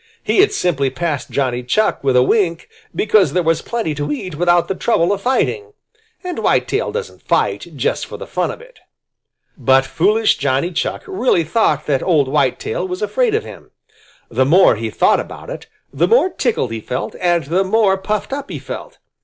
He had simply passed Johnny with a wink, because there was plenty to eat without the trouble of fighting, and Whitetail doesn't fight just for the fun of it. But foolish Johnny Chuck really thought that old Whitetail was afraid of him. The more he thought about it, the more tickled he felt and the more puffed up he felt.